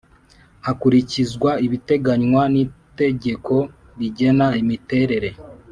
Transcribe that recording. hakurikizwa ibiteganywa n Itegeko rigena imiterere